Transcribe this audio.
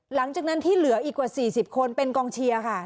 หลังจากนั้นที่เหลืออีกกว่า๔๐คนเป็นกองเชียร์ค่ะ